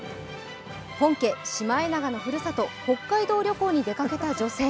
本家・シマエナガのふるさと、北海道旅行に出かけた女性。